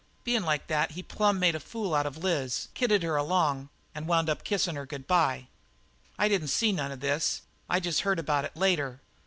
Bein' like that he plumb made a fool out of Liz. Kidded her along and wound up by kissing her good bye. I didn't see none of this; I jest heard about it later.